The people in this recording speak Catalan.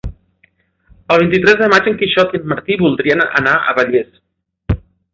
El vint-i-tres de maig en Quixot i en Martí voldrien anar a Vallés.